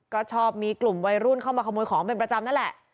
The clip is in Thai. ก็ชอบมีกลุ่มวัยรุ่นเข้ามาขโมยของเป็นประจำนั่นแหละ